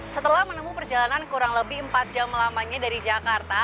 setelah menemu perjalanan kurang lebih empat jam lamanya dari jakarta